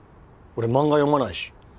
俺漫画読まないし。